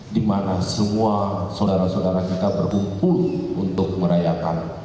di mana semua saudara saudara kita berkumpul untuk merayakan